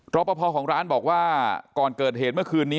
รอปภของร้านบอกว่าก่อนเกิดเหตุเมื่อคืนนี้